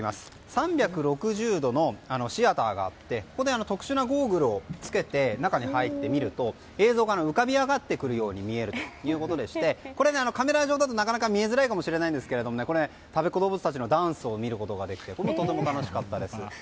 ３６０度のシアターがあってここで特殊なゴーグルを着けて中に入って見ると映像が浮かび上がってくるように見えるということでカメラ上だと、なかなか見えづらいかもしれないんですがたべっ子どうぶつたちのダンスを見ることができたりしてとても楽しかったです。